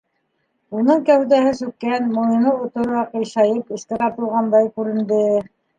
Уның кәүҙәһе сүккән, муйыны оторо ҡыйшайып эскә тартылғандай күренде...